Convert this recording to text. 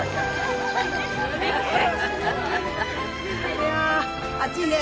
いやあ暑いね。